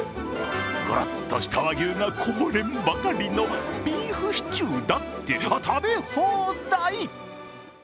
ごろっとした和牛がこぼれんばかりのビーフシチューだって食べ放題。